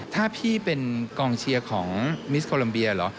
ถ้าพี่เป็นกองเชียร์ของมิสโคลัมเบียเหรอ